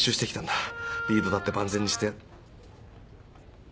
リードだって万全にして。